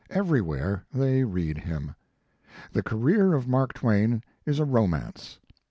Everywhere they read him. The career of Mark Twain is a ro mance.